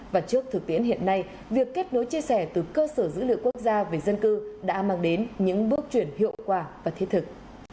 và trước thực tiễn hiện nay việc kết nối chia sẻ từ cơ sở dữ liệu quốc gia về dân cư đã mang đến những bước chuyển hiệu quả và thiết thực